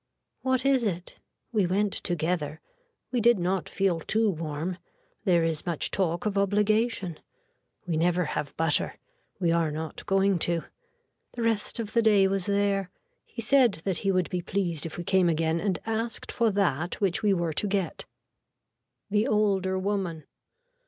What is it. We went together. We did not feel too warm. There is much talk of obligation. We never have butter. We are not going to. The rest of the day was there. He said that he would be pleased if we came again and asked for that which we were to get. (The older woman.)